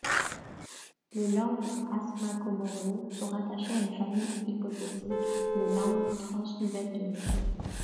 Les langues asmat-kamoro sont rattachées à une famille hypothétique, les langues trans-Nouvelle-Guinée.